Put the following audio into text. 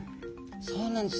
そうなんです。